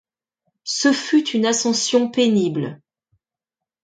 Ce fut une ascension pénible.